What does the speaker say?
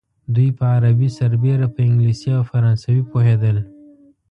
دوی په عربي سربېره په انګلیسي او فرانسوي پوهېدل.